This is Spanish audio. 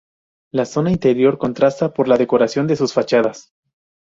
La zona interior contrasta por la decoración de sus fachadas.